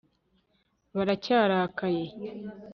baracyarakaye